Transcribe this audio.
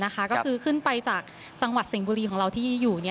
ก็คือขึ้นไปจากจังหวัดสิงห์บุรีของเราที่อยู่